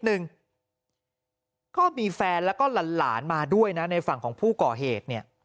หนึ่งก็มีแฟนแล้วก็หลานมาด้วยนะในฝั่งของผู้ก่อเหตุเนี่ย